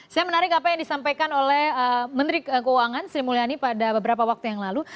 saya menarik apa yang disampaikan oleh menteri keuangan sri mulyani pada beberapa waktu yang lalu